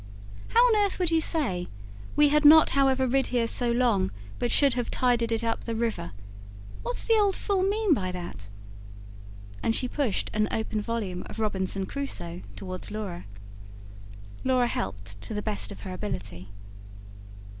"How on earth would you say: 'We had not however rid here so long, but should have tided it up the river'? What's the old fool mean by that?" and she pushed an open volume of ROBINSON CRUSOE towards Laura. Laura helped to the best of her ability.